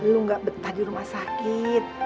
lu gak betah di rumah sakit